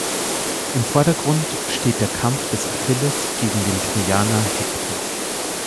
Im Vordergrund steht der Kampf des Achilles gegen den Trojaner Hektor.